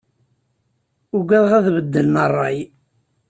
Uggadeɣ ad beddlen rray.